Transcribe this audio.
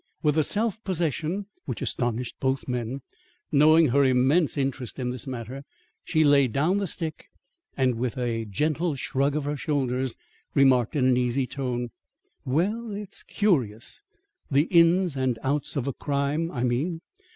With a self possession which astonished both men, knowing her immense interest in this matter, she laid down the stick, and, with a gentle shrug of her shoulders, remarked in an easy tone: "Well, it's curious! The inns and outs of a crime, I mean.